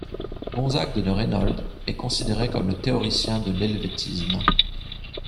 Gonzague de Reynold est considéré comme le théoricien de l'Helvétisme.